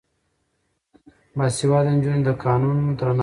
باسواده نجونې د قانون درناوی کوي.